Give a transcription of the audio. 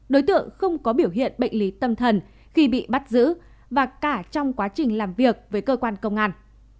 đối tượng không có biểu hiện bệnh lý tâm thần khi bị bắt giữ và cả trong quá trình làm việc với cơ quan công an